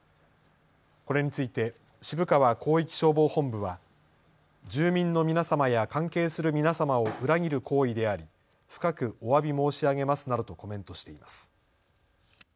これについて渋川広域消防本部は住民の皆様や関係する皆様を裏切る行為であり深くおわび申し上げますなどとコメントしています。